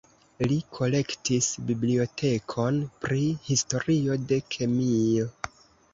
Li kolektis bibliotekon pri historio de kemio.